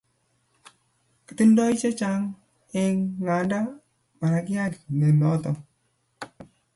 Kitindoi che echen nganda maragiat ne noto